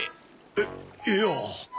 えっいや。